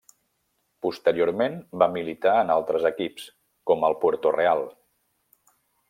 Posteriorment, va militar en altres equips com el Puerto Real.